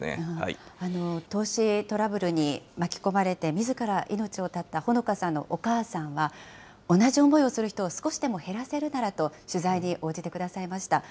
投資トラブルに巻き込まれてみずから命を絶ったほのかさんのお母さんは、同じ思いをする人を少しでも減らせるならと、取材に応じてくださいました。